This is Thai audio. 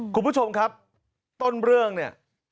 คุณผู้ชมครับต้นเรื่องเนี่ย